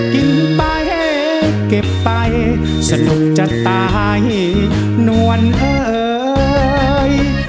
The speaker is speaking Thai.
กินไปเก็บไปสนุกจะตายนวลเอ่ย